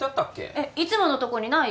えっいつものとこにない？